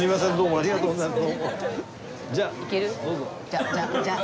ありがとうございます